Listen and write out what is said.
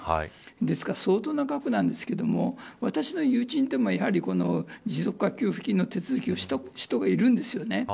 ですから相当な額なんですけども私の友人でもやはり持続化給付金の手続きをした人がいるんですよね。